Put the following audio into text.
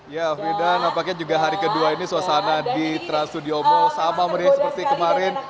ya huli dan apakah juga hari kedua ini suasana di trans studio mall sama seperti kemarin